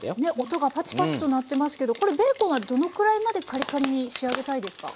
音がパチパチと鳴ってますけどこれベーコンはどのくらいまでカリカリに仕上げたいですか？